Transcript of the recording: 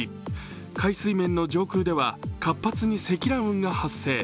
海水面上空では活発に積乱雲が発生。